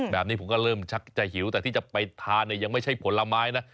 แบบนี้ผมก็เริ่มชักจะหิวแต่ที่จะไปทานเนี่ยยังไม่ใช่ผลไม้นะ